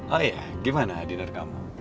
oh iya gimana diner kamu